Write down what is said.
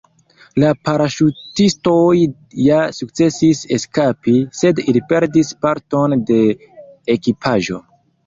La paraŝutistoj ja sukcesis eskapi, sed ili perdis parton de ekipaĵo.